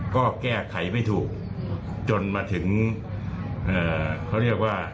ก็แก้ไขไม่ถูกจนมาถึงเขาเรียกว่า